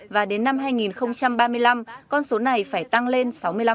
và đến năm hai nghìn ba mươi năm con số này phải tăng lên sáu mươi năm